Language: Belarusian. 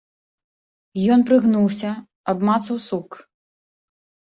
Ён прыгнуўся, абмацаў сук.